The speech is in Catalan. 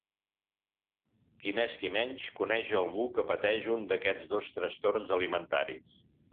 Qui més qui menys coneix algú que pateix un d’aquests dos trastorns alimentaris.